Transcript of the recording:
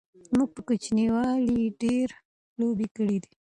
موږ په کوچنیوالی ډیری لوبی کړی دی